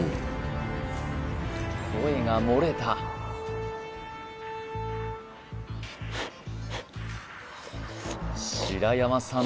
声が漏れた白山さん